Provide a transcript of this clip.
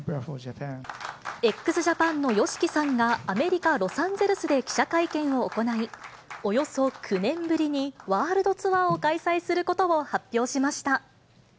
ＸＪＡＰＡＮのＹＯＳＨＩＫＩさんが、アメリカ・ロサンゼルスで記者会見を行い、およそ９年ぶりにワールドツアーを開催することを発表しました。